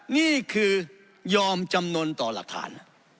นี่คือยอมจำนวนต่อหลักฐาน